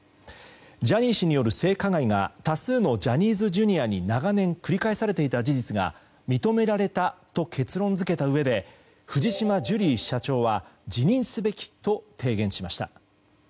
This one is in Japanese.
ジャニー氏による性加害が多数のジャニーズＪｒ．に長年繰り返されていた事実が認められたと結論付けたうえで藤島ジュリー社長は辞任すべきと提言しました。